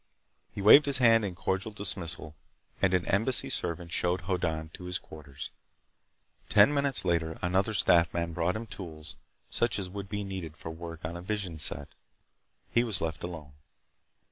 He waved his hand in cordial dismissal and an Embassy servant showed Hoddan to his quarters. Ten minutes later another staff man brought him tools such as would be needed for work on a vision set. He was left alone.